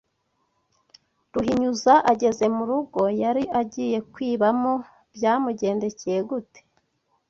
Ruhinyuza ageze mu rugo yari agiye kwibamo byamugendekeye gute